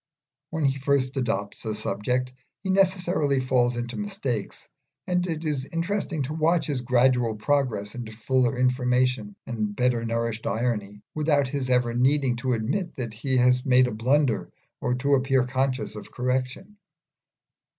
When he first adopts a subject he necessarily falls into mistakes, and it is interesting to watch his gradual progress into fuller information and better nourished irony, without his ever needing to admit that he has made a blunder or to appear conscious of correction.